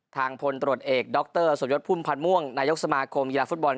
ทางพลตรวจเอกด็อกเตอร์ส่วนยศพุ่มพันธ์ม่วงนายกสมาคมยีลาฟุตบอล